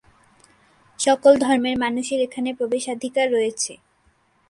সকল ধর্মের মানুষের এখানে প্রবেশাধিকার রয়েছে।